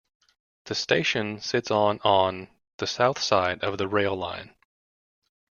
The station sits on on the south side of the rail line.